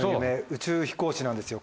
宇宙飛行士なんですよ